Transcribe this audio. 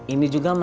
ini juga mau